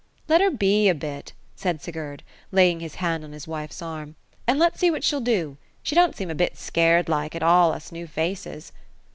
" Let her be a bit !" said Sigurd, laying his hand on his wife's arm ; "and let's see what she'll do : she don't seem a bit scared like, at all us new faces."